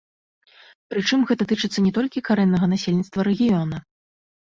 Прычым гэта тычыцца не толькі карэннага насельніцтва рэгіёна.